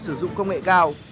sử dụng công nghệ cao